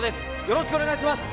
よろしくお願いします